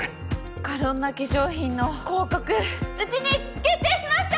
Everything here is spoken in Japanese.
カロンナ化粧品の広告うちに決定しました！！